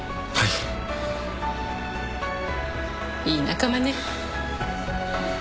いい仲間ね。